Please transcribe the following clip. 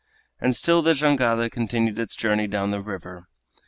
And still the jangada continued its journey down the river.